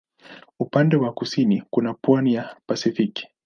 Upande wa kusini kuna pwani na Pasifiki.